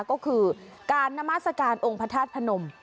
ก็คือการนามัศกาลองค์พระธาตุพนม